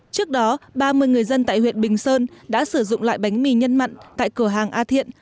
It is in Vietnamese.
trước đó ba mươi người dân tại huyện bình sơn đã sử dụng loại bánh mì nhân mặn tại cửa hàng a thiện